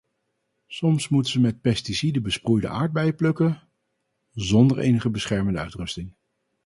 Soms moeten ze met pesticiden besproeide aardbeien plukken, zonder enige beschermende uitrusting.